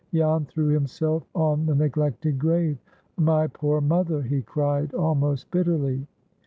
Jan threw himself on the neglected grave. "My poor mother!" he cried, almost bitterly.